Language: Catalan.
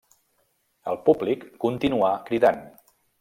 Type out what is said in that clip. El públic continuà cridant.